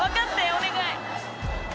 お願い。